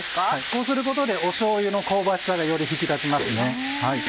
こうすることでしょうゆの香ばしさがより引き立ちます。